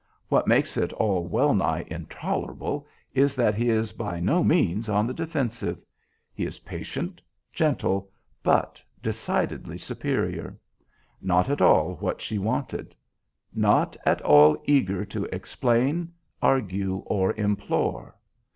What makes it all well nigh intolerable is that he is by no means on the defensive. He is patient, gentle, but decidedly superior. Not at all what she wanted. Not at all eager to explain, argue, or implore.